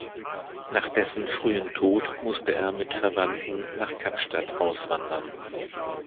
Nach dessen frühen Tod musste er mit Verwandten nach Kapstadt auswandern.